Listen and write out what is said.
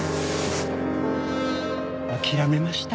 諦めました。